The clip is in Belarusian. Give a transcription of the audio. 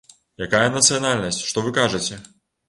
Якая нацыянальнасць, што вы кажаце?!